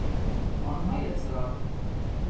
Man vajadzētu?